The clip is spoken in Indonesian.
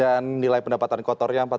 dan nilai pendapatan kotornya